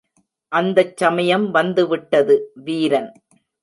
அந்தச் சமயம் வந்துவிட்டது வீரன்.